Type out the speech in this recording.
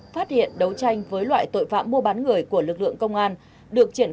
phát hiện đấu tranh với loại tội phạm mua bán người của lực lượng công an